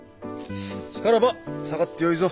しからば下がってよいぞ。